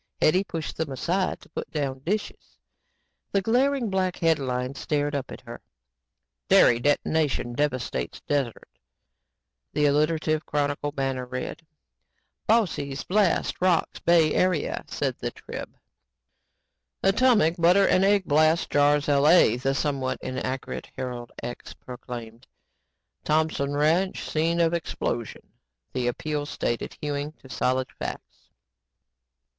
Hetty pushed them aside to put down dishes. The glaring black headlines stared up at her. "Dairy Detonation Devastates Desert," the alliterative Chronicle banner read; "Bossy's Blast Rocks Bay Area," said the Trib; "Atomic Butter And Egg Blast Jars LA," the somewhat inaccurate Herald Ex proclaimed; "Thompson Ranch Scene of Explosion," the Appeal stated, hewing to solid facts.